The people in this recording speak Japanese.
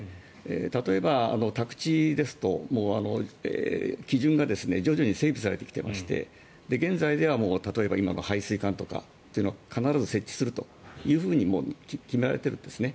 例えば、宅地ですと基準が徐々に整備されてきていまして現在では例えば今は排水管というのは必ず設置するともう決められているんですね。